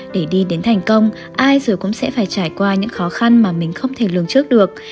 để đi đến thành công ai giờ cũng sẽ phải trải qua những khó khăn mà mình không thể lường trước được